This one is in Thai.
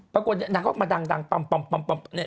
ปรากฏนี่นางก็มาดังปำนี่